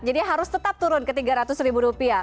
jadi harus tetap turun ke tiga ratus ribu rupiah